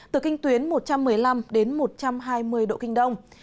từ kinh tuyến một trăm một mươi năm đến một trăm hai mươi độ kinh đông